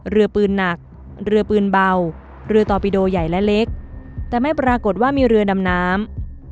เรือปืนหนักเรือปืนเบาเรือตอปิโดใหญ่และเล็กแต่ไม่ปรากฏว่ามีเรือดำน้ำ